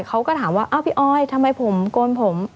เขาก็ถามว่าอ้าวพี่ออยทำไมผมโกนผม